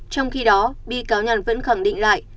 trong khi đó bị cáo nhàn vẫn khẳng định lại